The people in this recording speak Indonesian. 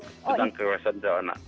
tentang kekerasan anak anak